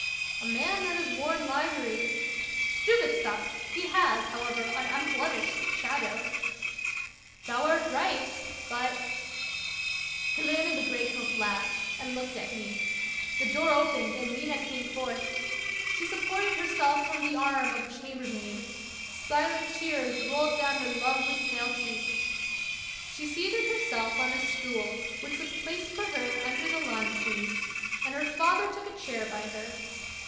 "A man that has worn livery" —" Stupid stuff ! he has, however, an unblemished shadow." " Thou art right, but" — The man in the gray coat laughed and looked at me. The door opened and Mina came forth. She supported herself on the arm of a chamber maid; silent tears rolled down her lovely pale 74 The Wonderful History cheeks. She seated herself on a stool which was placed for her under the lime trees, and her father took a chair by her.